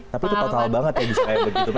tapi itu total banget ya bisa kayak begitu pak